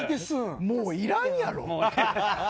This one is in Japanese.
もういらんやろ。